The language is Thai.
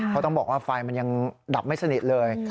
เพราะต้องบอกว่าไฟมันยังดับไม่สนิทเลย